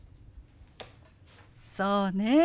そうね。